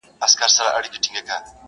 د مرګ غېږ ته ورغلی یې نادانه٫